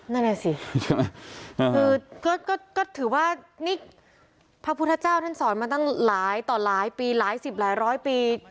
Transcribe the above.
นั่นแหละสิใช่ไหมคือก็ถือว่านี่พระพุทธเจ้าท่านสอนมาตั้งหลายต่อหลายปีหลายสิบหลายร้อยปี